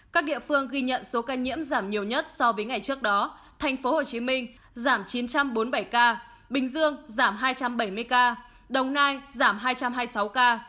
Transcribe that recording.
các địa phương ghi nhận số ca nhiễm giảm nhiều nhất so với ngày trước đó thành phố hồ chí minh giảm chín trăm bốn mươi bảy ca bình dương giảm hai trăm bảy mươi ca đồng nai giảm hai trăm hai mươi sáu ca